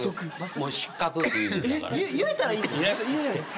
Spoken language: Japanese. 言えたらいいんですもんね。